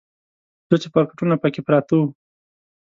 دوه چپرکټونه پکې پراته و.